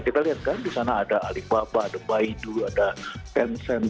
kita lihat kan di sana ada alibaba ada baidu ada pencent